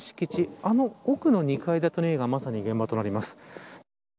あの奥の２階建ての家がまさに現場となります。